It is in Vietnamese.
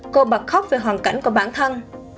cô bà khóc về hoàn cảnh của bản thân